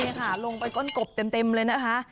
นี่ค่ะลงไปก้นกบเต็มเลยนะคะ